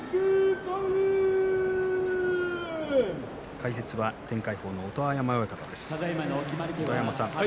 解説は天鎧鵬の音羽山親方です。